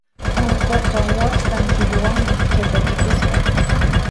Allquqa waqtan tulluwanmi chakachikusqa.